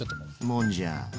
もんじゃう。